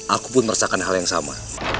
aku pun merasakan hal yang sama